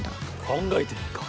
考えてみっか。